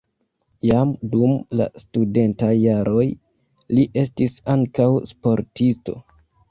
Jam dum la studentaj jaroj li estis ankaŭ sportisto.